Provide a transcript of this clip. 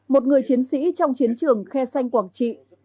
một người chiến sĩ trong chiến trường khe xanh quảng trị